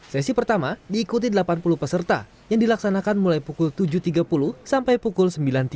sesi pertama diikuti delapan puluh peserta yang dilaksanakan mulai pukul tujuh tiga puluh sampai pukul sembilan tiga puluh